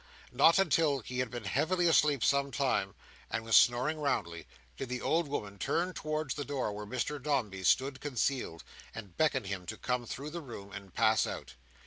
Not until he had been heavily asleep some time, and was snoring roundly, did the old woman turn towards the door where Mr Dombey stood concealed, and beckon him to come through the room, and pass out.